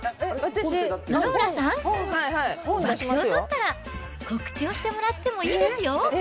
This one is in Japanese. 野々村さん、爆笑を取ったら、告知をしてもらってもいいですよ。